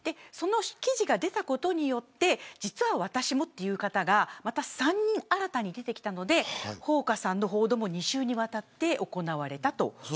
その記事が出たことによって実は私も、という方がまた３人、新たに出てきたのでほうかさんの報道も２週にわたって行われたと。